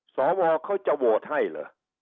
สวเขาจะโหวตให้เหรอ